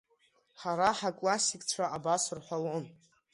Ҳара ҳаклассикцәа абас рҳәалон…